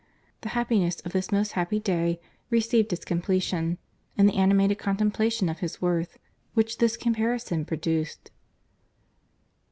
The happiness of this most happy day, received its completion, in the animated contemplation of his worth which this comparison produced.